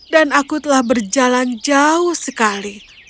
dan aku telah berjalan jauh sekali